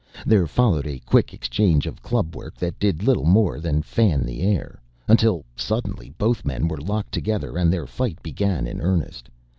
There followed a quick exchange of club work that did little more than fan the air, until suddenly both men were locked together and the fight began in earnest.